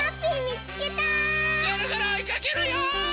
ぐるぐるおいかけるよ！